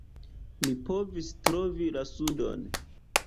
Mi povis trovi la sudon.